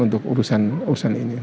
untuk urusan urusan ini